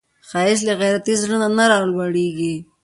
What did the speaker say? ښایست له غیرتي زړه نه راولاړیږي